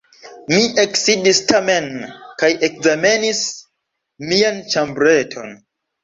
Mi eksidis tamen kaj ekzamenis mian ĉambreton.